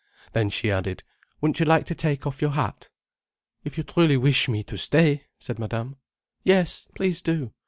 Then she added: "Wouldn't you like to take off your hat?" "If you truly wish me to stay," said Madame. "Yes, please do.